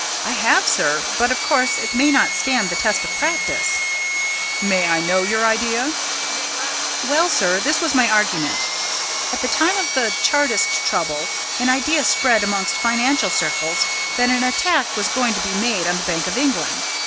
"I have, sir. But, of course, it may not stand the test of practice." "May I know the idea?" "Well, sir, this was my argument: At the time of the Chartist trouble, an idea spread amongst financial circles that an attack was going to be made on the Bank of England.